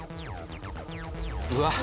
うわっ。